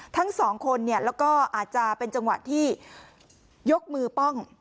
ทั้งสองคนเนี่ยแล้วก็อาจจะเป็นจังหวะที่ยกมือป้อง